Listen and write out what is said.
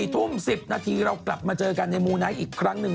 ๔ทุ่ม๑๐นาทีเรากลับมาเจอกันในมูไนท์อีกครั้งหนึ่ง